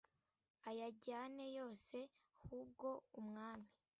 ayajyane yose h ubwo umwami